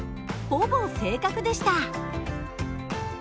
ほぼ正確でした。